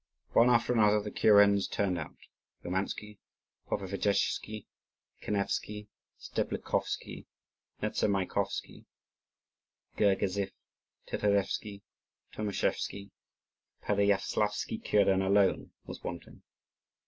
One after another the kurens turned out: Oumansky, Popovichesky, Kanevsky, Steblikovsky, Nezamaikovsky, Gurgazif, Titarevsky, Tomischevsky. The Pereyaslavsky kuren alone was wanting.